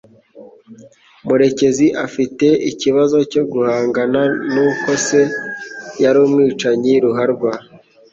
Murekezi afite ikibazo cyo guhangana n'uko se yari umwicanyi ruharwa.